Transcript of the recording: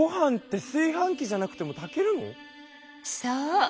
そう。